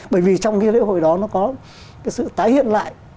bởi vì trong cái lễ hội đó nó có cái sự tái hiện lại